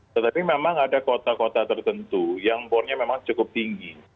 tetapi memang ada kota kota tertentu yang bornya memang cukup tinggi